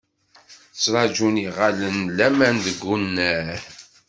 Ttraǧun yiɣallen n laman deg unnar.